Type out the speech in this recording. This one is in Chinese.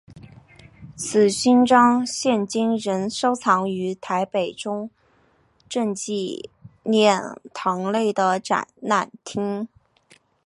此勋章现今仍收藏于台北中正纪念堂内的展览厅。